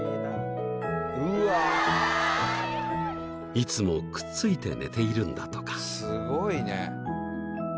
［いつもくっついて寝ているんだとか］